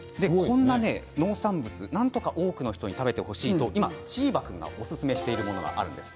こんな農産物なんとか多くの人に食べてほしいと今チーバくんがおすすめしているものがあるんです。